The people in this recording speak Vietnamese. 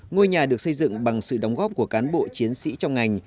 ngôi nhà được xây dựng bằng sự đóng góp của cán bộ chiến sĩ trong ngành